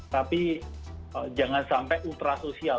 tapi jangan sampai ultra sosial